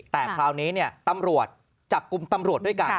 แต่คราวนี้ตำรวจจับกลุ่มตำรวจด้วยกัน